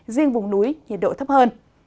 riêng vùng núi nhiệt độ thấp hơn